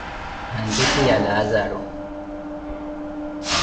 Hantise Ya Laazaro